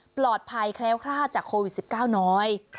ปลอดภัยแคล้วคลาดจากโควิด๑๙น้อย